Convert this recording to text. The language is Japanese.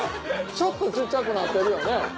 ちょっと小っちゃくなってるよね